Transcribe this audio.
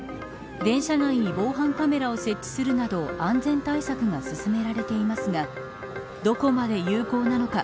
電車内に防犯カメラを設置するなど安全対策が進められていますがどこまで有効なのか。